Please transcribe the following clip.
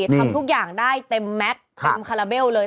ทำทุกอย่างได้เต็มแม็กซ์เต็มคาราเบลเลย